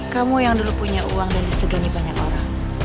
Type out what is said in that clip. kamu yang dulu punya uang dan disegani banyak orang